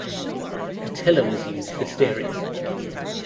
A tiller was used for steering.